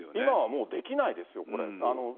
今はもうできないですよ、これ。